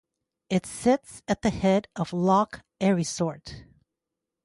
It sits at the head of Loch Erisort.